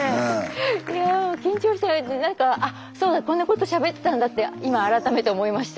いや緊張してあっそうだこんなことしゃべったんだって今改めて思いました。